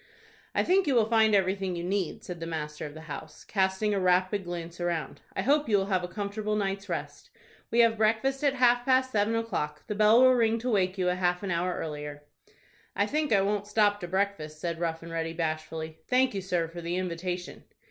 "I think you will find everything you need," said the master of the house, casting a rapid glance around. "I hope you will have a comfortable night's rest. We have breakfast at half past seven o'clock. The bell will ring to awake you half an hour earlier." "I think I won't stop to breakfast," said Rough and Ready, bashfully; "thank you, sir, for the invitation."